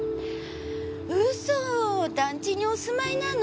「ウソ団地にお住まいなの？